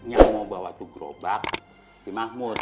yang mau bawa ke gerobak si mahmud